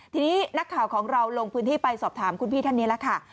ทีนี้นักข่าวของเราลงพื้นที่ไปสอบถามคุณพี่ท่านนี้แล้วค่ะ